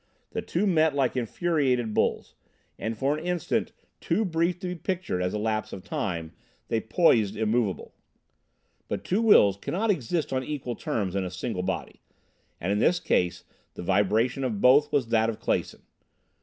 The two met like infuriated bulls, and for an instant too brief to be pictured as a lapse of time they poised immovable. But two wills can not exist on equal terms in a single body, and in this case the vibration of both was that of Clason.